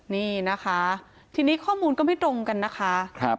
นี่นะคะทีนี้ข้อมูลก็ไม่ตรงกันนะคะ